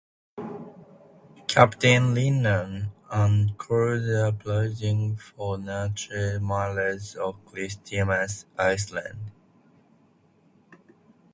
Captain Rinnan anchored approximately four nautical miles off Christmas Island.